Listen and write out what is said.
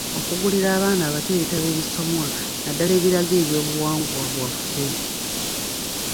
Okugulira abaana abato ebitabo ebisomwa, naddala ebiraga eby'obuwangwa bwaffe.